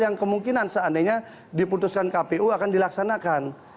yang kemungkinan seandainya diputuskan kpu akan dilaksanakan